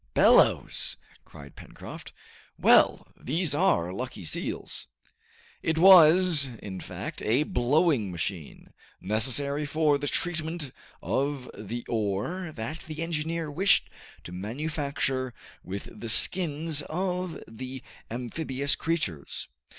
"Bellows!" cried Pencroft. "Well! these are lucky seals!" It was, in fact, a blowing machine, necessary for the treatment of the ore that the engineer wished to manufacture with the skins of the amphibious creatures.